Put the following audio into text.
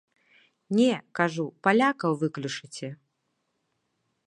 Не, кажу, палякаў выключыце!